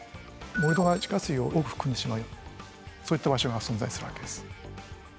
盛り土が地下水を多く含んでしまいそういった場所が存在するわけです。